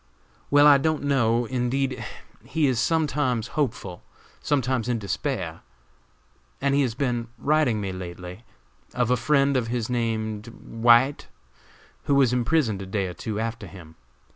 "Well, I don't know, indeed; he is sometimes hopeful, sometimes in despair; he has been writing me lately of a friend of his named White, who was imprisoned a day or two after him.